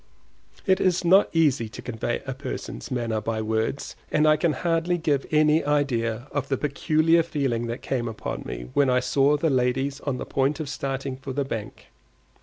It is not easy to convey a person's manner by words, and I can hardly give any idea of the peculiar feeling that came upon me when I saw the ladies on the point of starting for the bank.